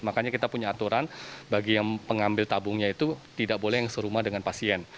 makanya kita punya aturan bagi yang pengambil tabungnya itu tidak boleh yang serumah dengan pasien